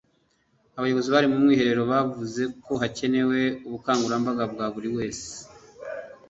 Abayobozi bari mu mwiherero bavuze ko hakenewe ubukangurambaga bwa buri wese